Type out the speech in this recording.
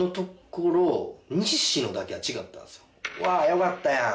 「よかったやん！」